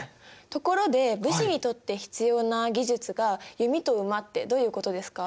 ところで武士にとって必要な技術が弓と馬ってどういうことですか？